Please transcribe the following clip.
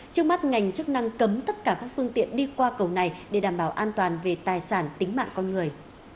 trước mắt ngành chức năng cấm tất cả các phương tiện đi qua cầu này để đảm bảo an toàn về tài sản tính mạng con người